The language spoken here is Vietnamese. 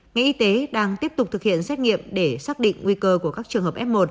ngành y tế đang tiếp tục thực hiện xét nghiệm để xác định nguy cơ của các trường hợp f một